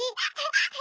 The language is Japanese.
ハハハ。